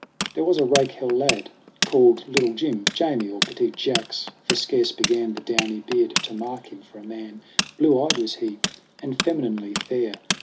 There was a rakehell lad, called Little Jim, Jamie or Petit Jacques; for scarce began The downy beard to mark him for a man. Blue eyed was he and femininely fair.